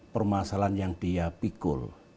permasalahan yang dia pikul